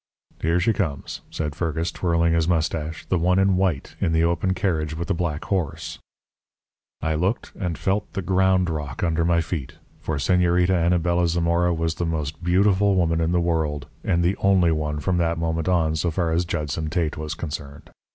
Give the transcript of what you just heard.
"'Here she comes,' said Fergus, twirling his moustache 'the one in white, in the open carriage with the black horse.' "I looked and felt the ground rock under my feet. For Señorita Anabela Zamora was the most beautiful woman in the world, and the only one from that moment on, so far as Judson Tate was concerned.